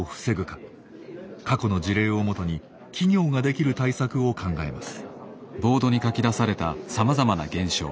過去の事例を基に企業ができる対策を考えます。